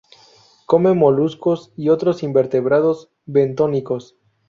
Come moluscos y otros invertebrados bentónicos.